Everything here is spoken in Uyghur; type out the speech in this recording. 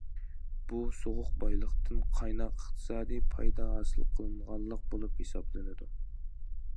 بۇ،« سوغۇق بايلىق» تىن« قايناق ئىقتىسادىي پايدا» ھاسىل قىلىنغانلىق بولۇپ ھېسابلىنىدۇ.